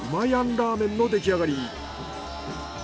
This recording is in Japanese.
ラーメンの出来上がり。